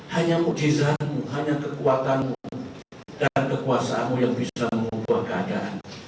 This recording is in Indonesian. hanya mujizatmu hanya kekuatanmu dan kekuasaanmu yang bisa mengubah keadaan